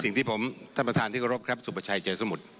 สิ่งที่ผมท่านประธานที่เคารพครับสุประชัยเจอสมุทร